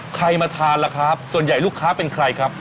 ใครมาทานล่ะครับส่วนใหญ่ลูกค้าเป็นใครครับ